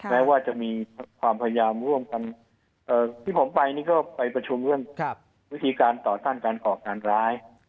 แม้ว่าจะมีความพยายามร่วมกันที่ผมไปนี่ก็ไปประชุมเรื่องวิธีการต่อต้านการก่อการร้าย